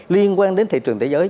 liên quan đến thị trường thế giới